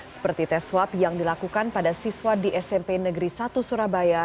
seperti tes swab yang dilakukan pada siswa di smp negeri satu surabaya